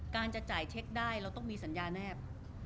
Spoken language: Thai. การจะจ่ายเช็คได้เราต้องมีสัญญาแนบ